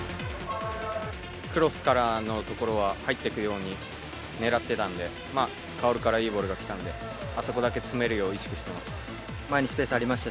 クロスからの所は、入っていくように狙ってたんで、薫からいいボールが来たんで、あそこだけ詰めるよう意識してました。